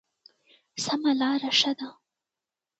سمه لاره ښه ده.